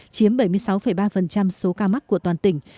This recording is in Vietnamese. chiếm bảy mươi sáu ba số ca mắc của toàn tỉnh